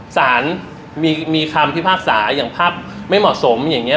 สารมีคำพิพากษาอย่างภาพไม่เหมาะสมอย่างนี้